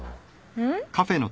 うん？